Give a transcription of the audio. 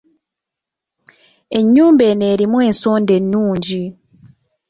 Ennyumba eno erimu ensonda ennungi.